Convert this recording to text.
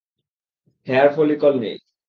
Hair follicle নেই।